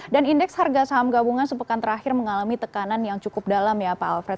dan indeks harga saham gabungan sepekan terakhir mengalami tekanan yang cukup dalam ya pak alfred